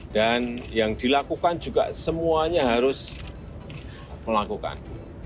yang dilakukan juga semuanya harus melakukan